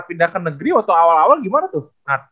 pindah ke negeri waktu awal awal gimana tuh